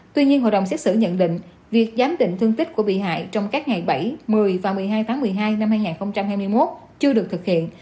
tuy nhiên hội đồng xét xử nhận định việc giám định thương tích của bị hại trong các ngày bảy một mươi và một mươi hai tháng một mươi hai năm hai nghìn hai mươi một chưa được thực hiện